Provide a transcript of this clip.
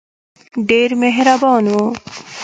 ډېر مهربان وو.